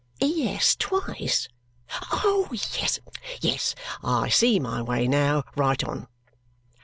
"E.S. twice? Oh, yes! Yes, I see my way now, right on."